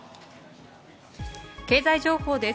経済情報です。